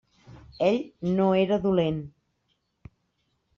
Ell no era dolent.